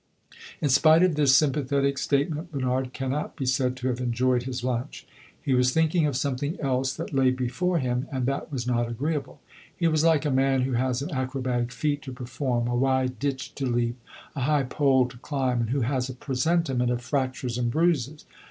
In spite of this sympathetic statement Bernard cannot be said to have enjoyed his lunch; he was thinking of something else that lay before him and that was not agreeable. He was like a man who has an acrobatic feat to perform a wide ditch to leap, a high pole to climb and who has a presentiment of fractures and bruises.